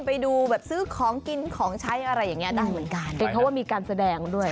ไปดูแบบซื้อของกินของใช้อะไรอย่างเงี้ได้เหมือนกันเป็นเพราะว่ามีการแสดงด้วย